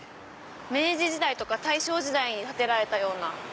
明治時代とか大正時代に建てられたような。